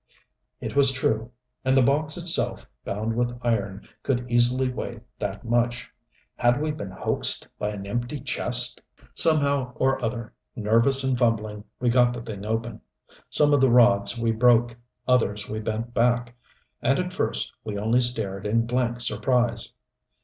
It was true. And the box itself, bound with iron, could easily weigh that much. Had we been hoaxed by an empty chest? Somehow or other, nervous and fumbling, we got the thing open. Some of the rods we broke, others we bent back. And at first we only stared in blank surprise.